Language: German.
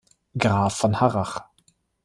Graf von Harrach.